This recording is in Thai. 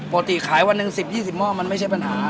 ขายวันหนึ่ง๑๐๒๐หม้อมันไม่ใช่ปัญหา